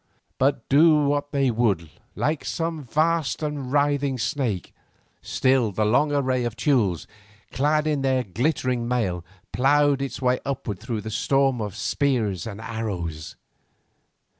But do what they would, like some vast and writhing snake, still the long array of Teules clad in their glittering mail ploughed its way upward through the storm of spears and arrows.